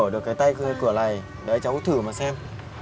để cháu thử mà xem